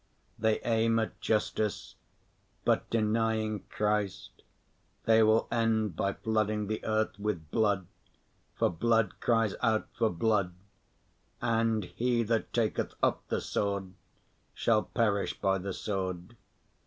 They aim at justice, but, denying Christ, they will end by flooding the earth with blood, for blood cries out for blood, and he that taketh up the sword shall perish by the sword.